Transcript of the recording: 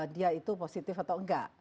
dia itu positif atau enggak